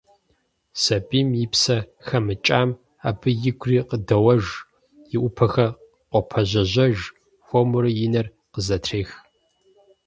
Сабийм и псэ хэмыкӏам абы игури къыдоуэж, и ӏупэхэр къопӏэжьэжьэж, хуэмурэ и нэр къызэтрех…